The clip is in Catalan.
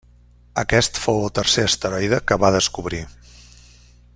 Aquest fou el tercer asteroide que va descobrir.